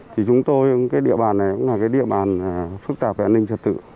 thì chúng tôi cái địa bàn này cũng là cái địa bàn phức tạp về an ninh trật tự